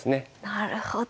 なるほど。